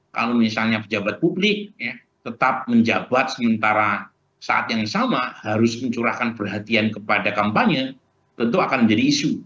kalau misalnya pejabat publik tetap menjabat sementara saat yang sama harus mencurahkan perhatian kepada kampanye tentu akan menjadi isu